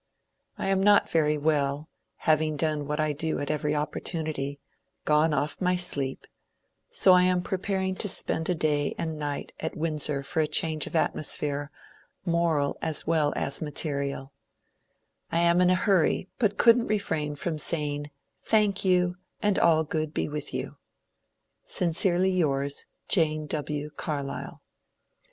I am not very well, having done what I do at every opportonity — gone off my sleep ; so I am preparing to spend a day and ni^t at Wind sor for change of atmosphere, moral as well as materiaL I am in a hurry, but could n't refrain from saying Thank you, and all good be with yon I " Sincerely yours, Jane W. Cabltle.